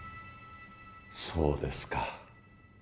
そうですか。